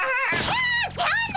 あじゃあね！